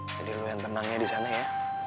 jadi lo yang tenangnya disana ya